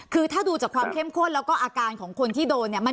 คือถ้าดูจากความเข้มข้นแล้วก็อาการของคนที่โดนเนี่ย